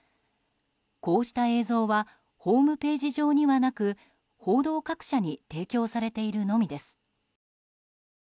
こうした映像はホームページ上にはなく報道各社に提供されているのみです。